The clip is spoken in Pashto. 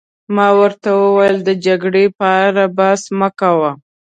ما ورته وویل: د جګړې په اړه بحث مه کوه.